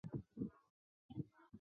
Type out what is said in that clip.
他积极参与封建混战。